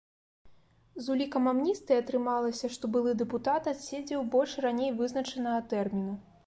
З улікам амністыі атрымалася, што былы дэпутат адседзеў больш раней вызначанага тэрміну.